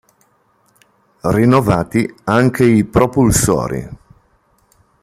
Rinnovati anche i propulsori.